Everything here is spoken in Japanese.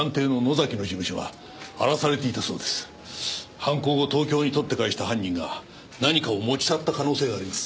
犯行後東京に取って返した犯人が何かを持ち去った可能性があります。